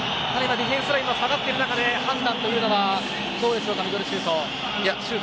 ディフェンスラインが下がっている中でのあの判断というのはどうでしょうか、ミドルシュート。